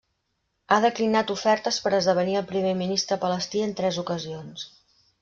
Ha declinat ofertes per esdevenir el primer ministre palestí en tres ocasions.